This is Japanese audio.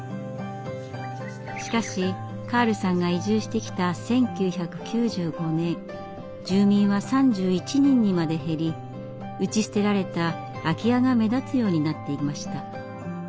しかしカールさんが移住してきた１９９５年住民は３１人にまで減り打ち捨てられた空き家が目立つようになっていました。